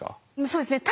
そうですね